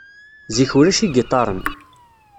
Zik ulac igiṭaren.